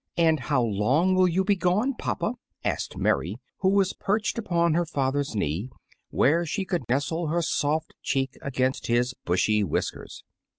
"And how long will you be gone, papa?" asked Mary, who was perched upon her father's knee, where she could nestle her soft cheek against his bushy whiskers.